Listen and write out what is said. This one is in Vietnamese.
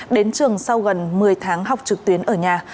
đến trường sau gần một mươi tháng học trực tuyến ở nhà